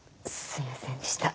すいませんでした。